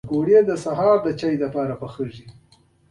پکورې د سهر چای لپاره هم پخېږي